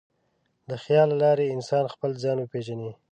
د خیال له لارې انسان خپل ځان وپېژني.